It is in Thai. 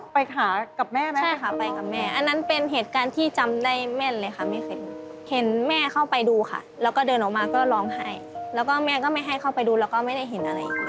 พี่แม่ก็ไม่ให้เขาไปดูแล้วก็ไม่ได้เห็นอะไรอีกเลย